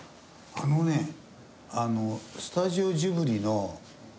あのスタジオジブリの。